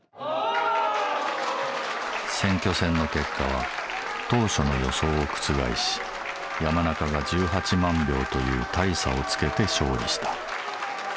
選挙戦の結果は当初の予想を覆し山中が１８万票という大差をつけて勝利した。